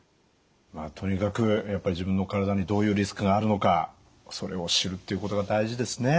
とにかくやっぱり自分の体にどういうリスクがあるのかそれを知るっていうことが大事ですね。